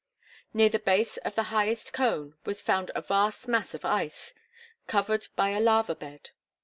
Near the base of the highest cone was found a vast mass of ice, covered by a lava bed.